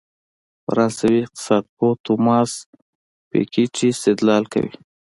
فرانسوي اقتصادپوه توماس پيکيټي استدلال کوي.